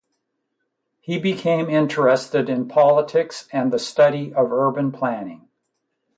He became interested in politics and the study of urban planning.